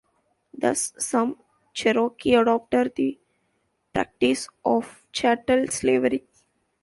Thus some Cherokee adopted the practice of chattel slavery.